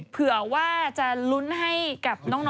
เผื่อว่าจะลุ้นให้กับน้อง